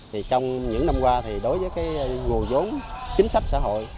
thì trong những năm qua thì đối với cái ngụ dốn chính sách xã hội